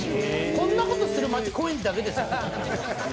「こんなことする街高円寺だけですよ」